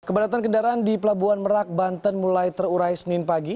kepadatan kendaraan di pelabuhan merak banten mulai terurai senin pagi